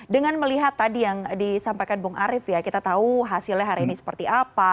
dengan melihat tadi yang disampaikan bung arief ya kita tahu hasilnya hari ini seperti apa